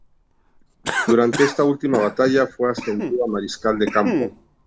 Durante esta última batalla fue ascendido a mariscal de campo.